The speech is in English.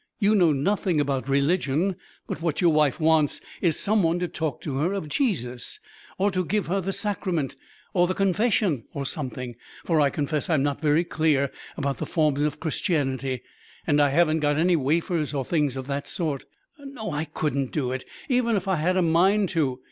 You know nothing about religion; but what your wife wants is some one to talk to her of Jesus, or to give her the Sacrament, or the Confession, or something, for I confess I'm not very clear about the forms of Christianity; and I haven't got any wafers or things of that sort. No, I couldn't do it, even if I had a mind to.